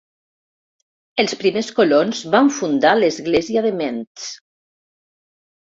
Els primers colons van fundar l'església de Mentz.